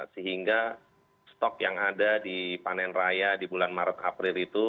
sehingga stok yang ada di panen raya di bulan maret april itu